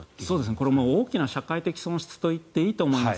これも大きな社会的損失といっていいと思います。